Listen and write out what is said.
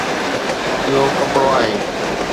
اهو ڪپڙو آهي